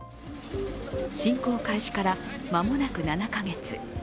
侵攻開始から間もなく７か月。